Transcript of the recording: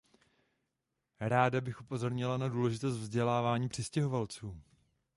Ráda bych upozornila na důležitost vzdělávání přistěhovalců.